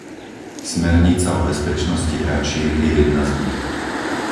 Smernica o bezpečnosti hračiek je jedna z nich.